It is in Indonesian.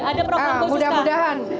ada program khusus kah mudah mudahan